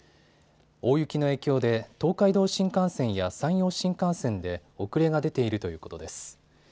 大雪の影響で東海道新幹線や山陽新幹線で遅れが出ているということです。